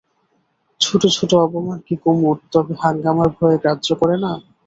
ছোট ছোট অপমান কি কুমুদ তবে হাঙ্গামার ভয়ে গ্রাহ্য করে না?